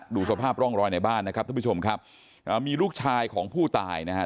ดูสภาพร่องรอยในบ้านนะครับท่านผู้ชมครับมีลูกชายของผู้ตายนะครับ